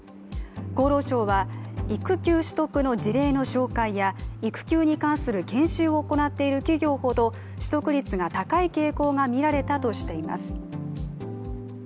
厚労省は育休取得の事例の紹介や、育休に関する研修を行っている企業ほど、取得率が高い傾向がみられたとしています。